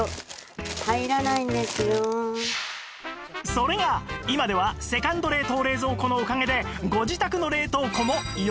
それが今ではセカンド冷凍・冷蔵庫のおかげでご自宅の冷凍庫も余裕が